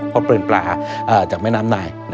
เพราะเปลี่ยนปลาจากแม่น้ำนาย